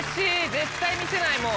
絶対見せないもう。